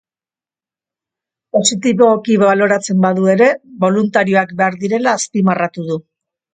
Positiboki baloratzen badu ere, boluntarioak behar direla azpimarratu du.